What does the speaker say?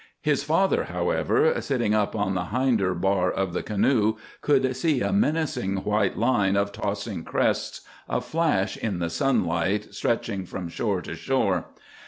His father, however, sitting up on the hinder bar of the canoe, could see a menacing white line of tossing crests, aflash in the sunlight, stretching from shore to shore.